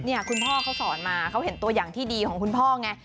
คุณพ่อเขาสอนมาเขาเห็นตัวอย่างที่ดีของคุณพ่อไง